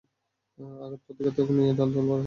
আঘাত-প্রতিঘাতের মধ্য দিয়ে ঢাল-তলোয়ারের তামাশা চলতে থাকে।